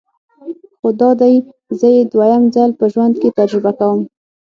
خو دادی زه یې دویم ځل په ژوند کې تجربه کوم.